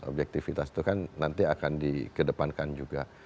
objektivitas itu kan nanti akan dikedepankan juga